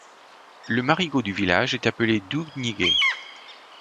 Le marigot du village est appelé Dou Gnigué.